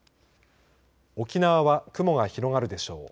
沖縄は雲が広がるでしょう。